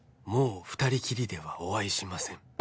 「もう２人きりではお会いしません」